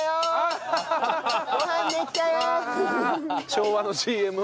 昭和のＣＭ。